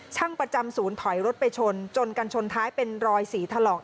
ช่างประจำศูนย์ถอยรถไปชนจนกันชนท้ายเป็นรอยสีถลอก